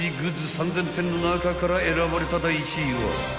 ３，０００点の中から選ばれた第１位は］